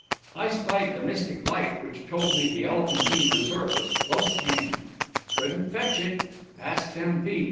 "I spied the mystic light which told me the Elephantine resort was close at hand couldn't fetch it asked M.P.